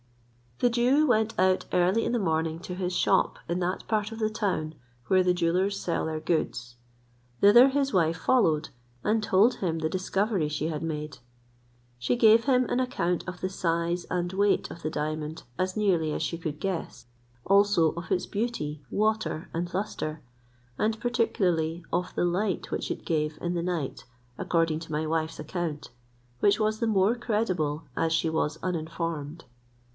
The Jew went out early in the morning to his shop in that part of the town where the jewellers sell their goods. Thither his wife followed, and told him the discovery she had made. She gave him an account of the size and weight of the diamond as nearly as she could guess, also of its beauty, water, and lustre, and particularly of the light which it gave in the night according to my wife's account, which was the more credible as she was uninformed.